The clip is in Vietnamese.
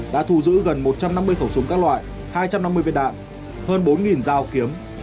đã thu giữ gần một trăm năm mươi khẩu súng các loại hai trăm năm mươi viên đạn hơn bốn dao kiếm